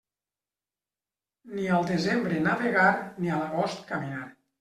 Ni al desembre navegar, ni a l'agost caminar.